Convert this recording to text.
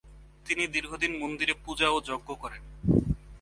তিনি দীর্ঘদিন মন্দিরে পূজা ও যজ্ঞ করেন।